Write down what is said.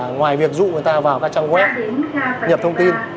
ngoài việc dụ người ta vào các trang web nhập thông tin